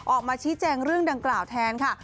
ออกมาชี้แจงเรื่องดังกล่าวแทนค่ะ